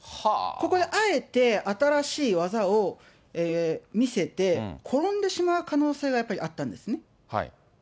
ここであえて新しい技を見せて、転んでしまう可能性がやっぱりあったんですね。